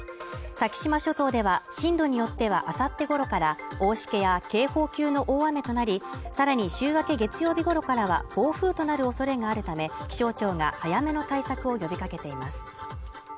先島諸島では進路によってはあさってごろから大しけや警報級の大雨となりさらに週明け月曜日ごろからは暴風となるおそれがあるため気象庁が早めの対策を呼びかけています